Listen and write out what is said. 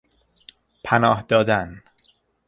پناه دادن